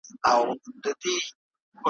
عُمر ټول انتظار وخوړ له ځوانیه تر پیریه ,